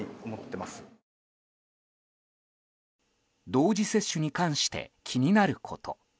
同時接種に関して気になること。